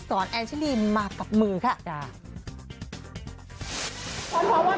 แต่ถามว่าจะเป็นรอบเดียวหรือว่าอะไรกี่ครั้ง